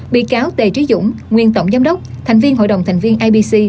bị cáo t trí dũng nguyên tổng giám đốc thành viên hội đồng thành viên ipc